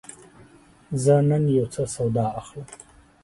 زه نن یوڅه سودا اخلم.